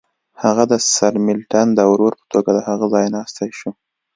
هغه د سرمیلټن د ورور په توګه د هغه ځایناستی شو.